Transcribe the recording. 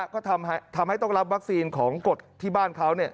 ก็ทำให้ต้องรับวัคซีนของกฎที่บ้านเขา